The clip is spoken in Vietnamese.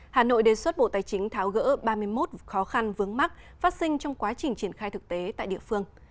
hà nội đề xuất bộ tài chính tháo gỡ ba mươi một khó khăn vướng mắt phát sinh trong quá trình triển khai thực tế tại địa phương